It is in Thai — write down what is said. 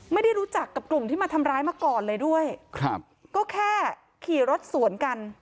ไม่ได้รู้จักกับกลุ่มที่มาทำร้ายมาก่อนเลยด้วยครับก็แค่ขี่รถสวนกัน